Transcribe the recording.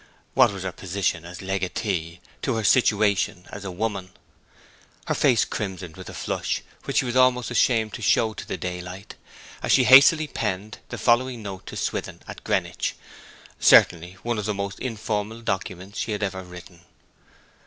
What was her position as legatee to her situation as a woman? Her face crimsoned with a flush which she was almost ashamed to show to the daylight, as she hastily penned the following note to Swithin at Greenwich certainly one of the most informal documents she had ever written.